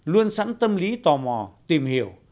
luôn sẵn tâm lý tò mò tìm hiểu